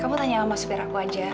kamu tanya sama spir aku aja